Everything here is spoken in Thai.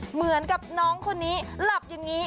เหมือนกับน้องคนนี้หลับอย่างนี้